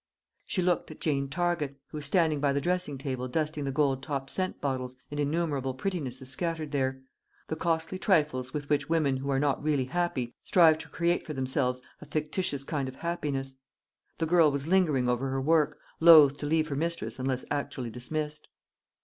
She looked at Jane Target, who was standing by the dressing table dusting the gold topped scent bottles and innumerable prettinesses scattered there the costly trifles with which women who are not really happy strive to create for themselves a factitious kind of happiness. The girl was lingering over her work, loth to leave her mistress unless actually dismissed.